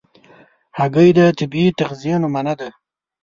هګۍ د طبیعي تغذیې نمونه ده.